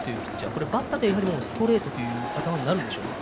これはバッターとしてもストレートという頭になるんでしょうか。